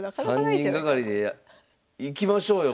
３人がかりでいきましょうよ